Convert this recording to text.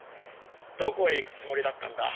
どこへ行くつもりだったんだ？